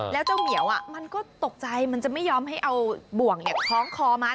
แล้วเจ้าเหมียวมันก็ตกใจมันจะไม่ยอมให้เอาบ่วงคล้องคอมัน